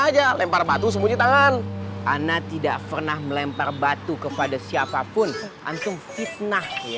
aja lempar batu semua ditahan anak tidak pernah melempar batu kepada siapapun maksud fitnah ya